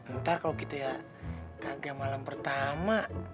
ntar kalau kita ya kagak malam pertama